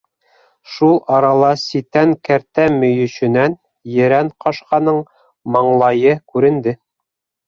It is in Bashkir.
Шул арала ситән кәртә мөйөшөнән ерән ҡашҡаның маңлайы күренде.